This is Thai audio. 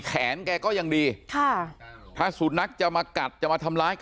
แขนแกก็ยังดีถ้าสุดนักจะมากัดจะมาทำร้าย